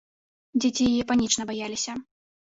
Дзеці яе панічна баяліся.